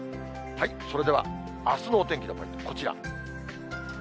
それではあすのお天気のポイント、こちら。